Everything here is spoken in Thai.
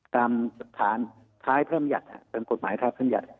ตามสัตว์ฐานคล้ายเพิ่มหยัดเป็นกฎหมายภาพเพิ่มหยัด